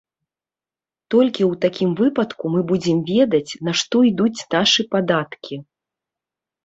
Толькі ў такім выпадку мы будзем ведаць, на што ідуць нашы падаткі.